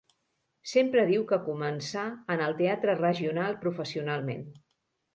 Sempre diu que començà en el teatre regional professionalment.